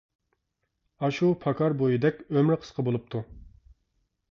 ئاشۇ پاكار بويىدەك، ئۆمرى قىسقا بولۇپتۇ.